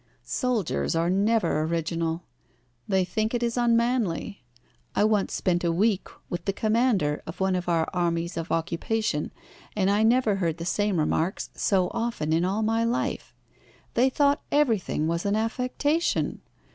"Soldiers are never original. They think it is unmanly. I once spent a week with the commander of one of our armies of occupation, and I never heard the same remarks so often in all my life. They thought everything was an affectation.